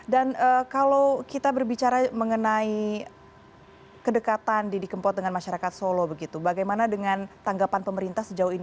dan kalau kita berbicara mengenai kedekatan didi kempot dengan masyarakat solo bagaimana dengan tanggapan pemerintah sejauh ini